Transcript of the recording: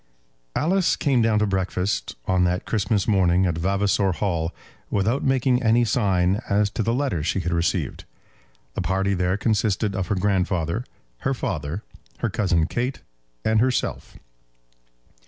Alice came down to breakfast on that Christmas morning at Vavasor Hall without making any sign as to the letter she had received. The party there consisted of her grandfather, her father, her cousin Kate, and herself.